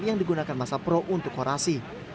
yang digunakan masa pro untuk orasi